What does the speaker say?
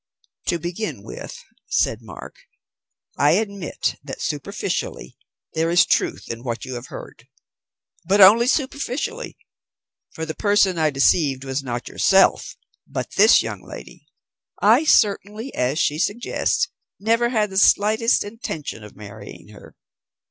"To begin with," said Mark, "I admit that, superficially, there is truth in what you have heard. But only superficially, for the person I deceived was not yourself but this young lady. I certainly, as she suggests, never had the slightest intention of marrying her.